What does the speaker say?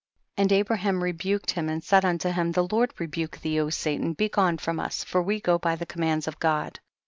38. And Abraham rebuked him and said unto him, the Lord rebuke thee, O Satan, begone from us for we go by the commands of God.